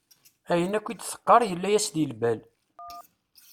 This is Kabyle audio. Ayen akk i d-teqqar yella-as-d deg lbal.